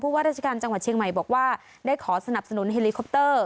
ว่าราชการจังหวัดเชียงใหม่บอกว่าได้ขอสนับสนุนเฮลิคอปเตอร์